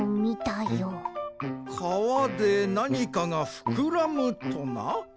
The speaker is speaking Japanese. かわでなにかがふくらむとな？